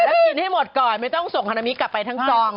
แล้วกินให้หมดก่อนไม่ต้องส่งฮานามิกลับไปทั้งซอง